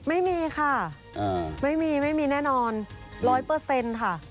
ไม่มีค่ะไม่มีไม่มีแน่นอนร้อยเปอร์เซ็นต์ค่ะ